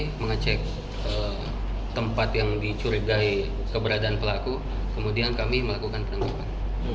pada saat yang satu hari kami koordinasi kembali mengecek tempat yang dicurigai keberadaan pelaku kemudian kami melakukan penangkapan